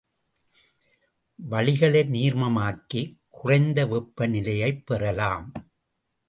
வளிகளை நீர்மமாக்கிக் குறைந்த வெப்பநிலையைப் பெறலாம்.